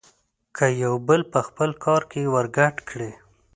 که يو بل په خپل کار کې ورګډ کړي.